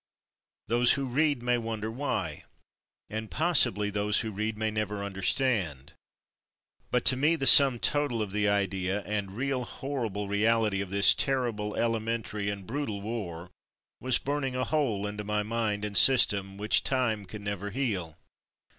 Those who read may wonder why — and possibly those who read may never understand, but to me, the sum total of the "idea" and real horrible reality of this terrible, elementary, and brutal war I20 From Mud to Mufti was burning a hole into my mind and system which time can never heal.